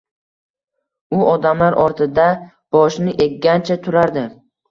U odamlar ortida boshini eggancha turardi.